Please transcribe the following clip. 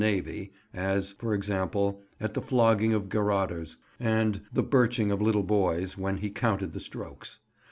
navy; as, for example, at the flogging of garrotters, and the birching of little boys, when he counted the strokes.